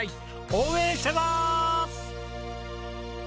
応援してまーす！